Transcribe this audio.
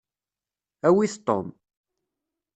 Awit Tom.